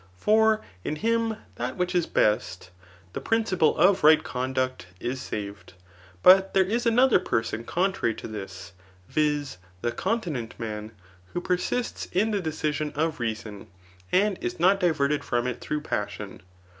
For in him that which is best, the principle [of right con duct,] is saved. But there is another person contrary to this [viz. the continent man,] who persists [in the deci aon of reason,] and is not diverted from it through pas* ^n.